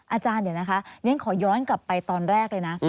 อาจารย์เดี๋ยวนะคะเรียนขอย้อนกลับไปตอนแรกเลยนะ